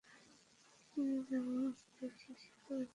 তুমি যাও, আমি দেখি, কী করা যায়?